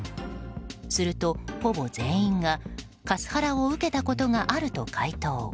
すると、ほぼ全員がカスハラを受けたことがあると回答。